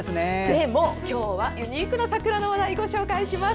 でも、今日はユニークな桜の話題をご紹介します。